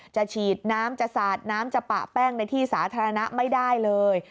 ฉีดน้ำจะสาดน้ำจะปะแป้งในที่สาธารณะไม่ได้เลย